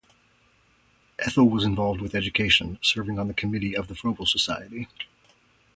Ethel was involved with education serving on the committee of the Froebel Society.